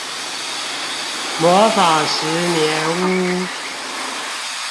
魔法十年屋